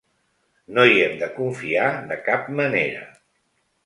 No hi hem de confiar de cap manera.